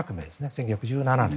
１９１７年。